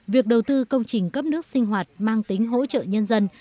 việc đầu tư công trình cấp nước sinh hoạt mang tính hỗ trợ nhân dân